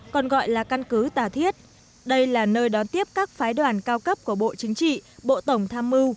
còn gọi là căn cứ tà thiết đây là nơi đón tiếp các phái đoàn cao cấp của bộ chính trị bộ tổng tham mưu